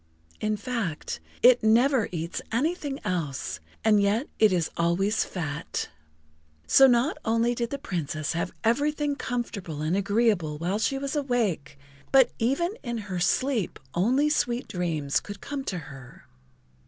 In fact, it never eats anything else, and yet it is always fat. So not only did the Princess have everything comfortable and agreeable while she was awake, but even in her sleep only sweet dreams could come to her.